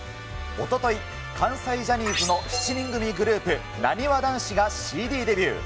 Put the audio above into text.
おととい、関西ジャニーズの７人組グループ、なにわ男子がＣＤデビュー。